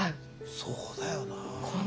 そうだよな。